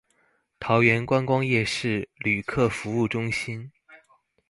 桃園觀光夜市旅客服務中心